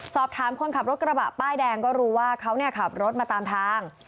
สอบถามคนขับรถกระบะป้ายแดงก็รู้ว่าเขาขับรถมาตามทาง